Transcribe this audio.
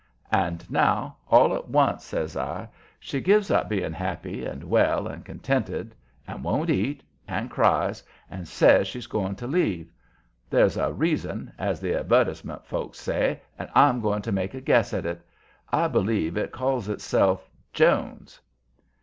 "And now, all at once," says I, "she gives up being happy and well and contented, and won't eat, and cries, and says she's going to leave. There's a reason, as the advertisement folks say, and I'm going to make a guess at it. I believe it calls itself Jones."